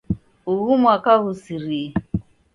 Ughu mwaka ghusirie.